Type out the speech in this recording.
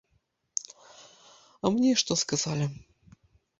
А мне што сказалі?